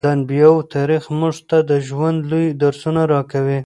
د انبیاوو تاریخ موږ ته د ژوند لوی درسونه راکوي.